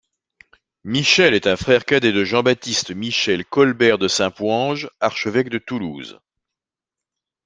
Michel est un frère cadet de Jean-Baptiste-Michel Colbert de Saint-Pouange, archevêque de Toulouse.